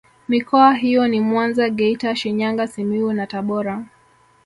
Mikoa hiyo ni Mwanza Geita Shinyanga Simiyu na Tabora